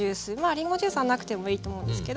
りんごジュースはなくてもいいと思うんですけど。